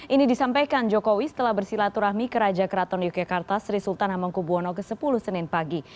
ini disampaikan jokowi setelah bersilaturahmi ke raja keraton yogyakarta sri sultan hamengku buwono ke sepuluh senin pagi